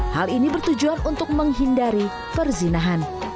hal ini bertujuan untuk menghindari perzinahan